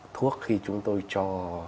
thuốc khi chúng tôi cho